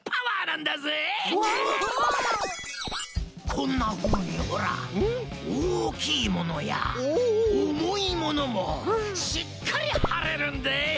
こんなふうにほらおおきいものやおもいものもしっかりはれるんでえ！